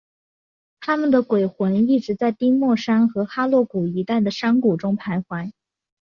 他们的鬼魂一直在丁默山和哈洛谷一带的山谷中徘徊。